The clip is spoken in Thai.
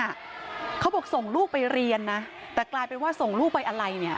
เขาบอกส่งลูกไปเรียนนะแต่กลายเป็นว่าส่งลูกไปอะไรเนี่ย